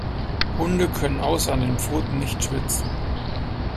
Hunde können außer an den Pfoten nicht schwitzen.